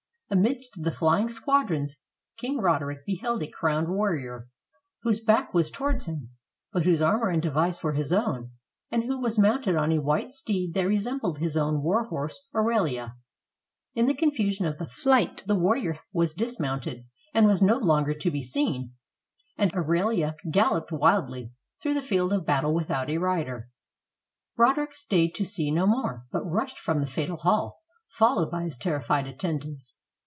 Amidst the flying squadrons King Roder ick beheld a crowned warrior, whose back was towards him, but whose armor and device were his own, and who was mounted on a white steed that resembled his own war horse Oreha. In the confusion of the flight, the warrior was dismounted, and was no longer to be seen, and OreUa galloped wildly through the field of battle without a rider, Roderick stayed to see no more, but rushed from the fatal hall, followed by his terrified attendants.